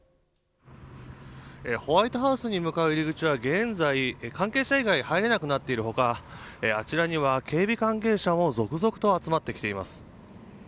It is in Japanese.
ホワイトハウスに向かう入り口は現在関係者以外入れなくなっている他あちらには警備関係者も続々と集まってきています。